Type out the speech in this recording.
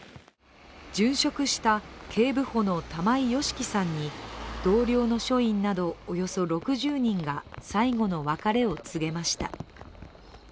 殉職した警部補の玉井良樹さんに同僚の署員などおよそ６０人が最後の別れを告げました。